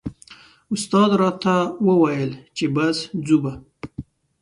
استاد راته و ویل چې بس ځو به.